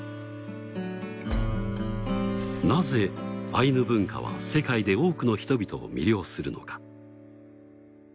なぜアイヌ文化は世界で多くの人々を魅了するのか。